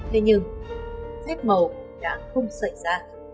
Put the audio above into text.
thế nhưng phép màu đã không xảy ra